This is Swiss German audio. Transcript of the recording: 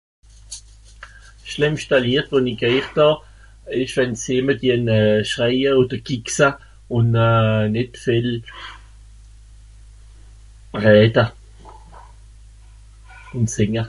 s schlimmschte Lied wo n i gheert hà ìsch wenn s jeme tuen schreia oder gigsa un euh nit viel reede